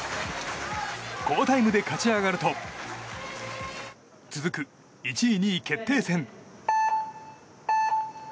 好タイムで勝ち上がると続く１位、２位決定戦。